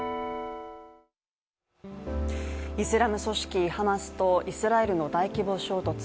イスラム組織ハマスとイスラエルの大規模衝突。